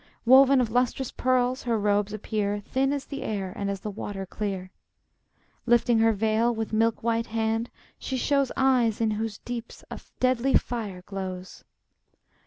Woven of lustrous pearls her robes appear, Thin as the air and as the water clear. Lifting her veil with milk white hand she shows Eyes in whose deeps a deadly fire glows.